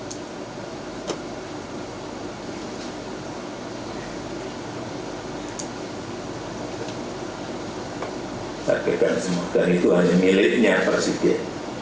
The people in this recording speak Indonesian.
saya pegang semua dan itu hanya miliknya presiden